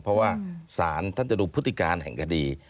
เพราะว่าศาลท่านจะดูพฤติการแห่งคดี